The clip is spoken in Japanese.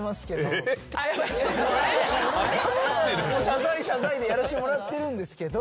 謝罪謝罪でやらしてもらってるんですけど。